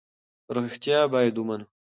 رښتیا باید ومنو.